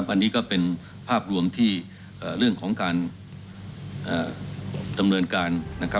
อันนี้ก็เป็นภาพรวมที่เรื่องของการดำเนินการ